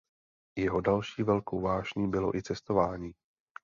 Jeho další velkou vášní bylo i cestování.